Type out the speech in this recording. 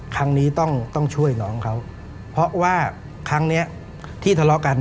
ครั้งนี้ต้องต้องช่วยน้องเขาเพราะว่าครั้งนี้ที่ทะเลาะกัน